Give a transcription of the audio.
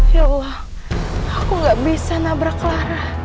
ya allah aku gak bisa nabrak lara